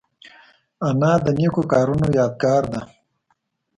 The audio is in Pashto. انا د نیکو کارونو یادګار ده